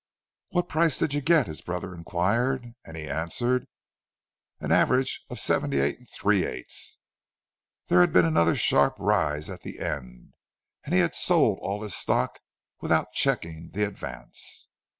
"What price did you get?" his brother inquired; and he answered, "An average of 78 3/8." There had been another sharp rise at the end, and he had sold all his stock without checking the advance.